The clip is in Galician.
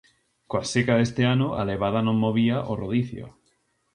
Coa seca deste ano a levada non movía o rodicio.